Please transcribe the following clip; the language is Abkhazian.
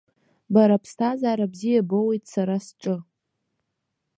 Бара аԥсҭазаара бзиа боуеит сара сҿы.